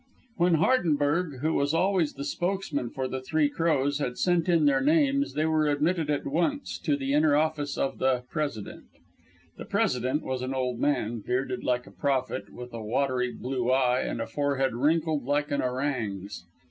When Hardenberg, who was always spokesman for the Three Crows, had sent in their names, they were admitted at once to the inner office of the "President." The President was an old man, bearded like a prophet, with a watery blue eye and a forehead wrinkled like an orang's.